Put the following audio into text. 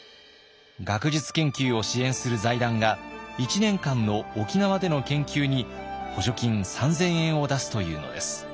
学術研究を支援する財団が１年間の沖縄での研究に補助金３，０００円を出すというのです。